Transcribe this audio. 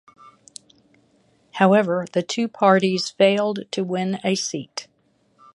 However, the two parties failed to win a seat.